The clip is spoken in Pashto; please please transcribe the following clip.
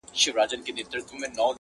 اوبه کړی مو په وینو دی ګلشن خپل-